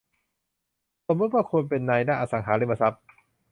สมมุติว่าคุณเป็นนายหน้าอสังหาริมทรัพย์